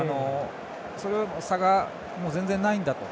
その差が全然ないんだと。